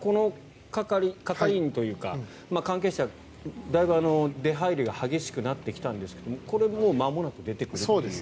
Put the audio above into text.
この係員というか関係者だいぶ出入りが激しくなってきたんですがこれ、もうまもなく出てくるということですか？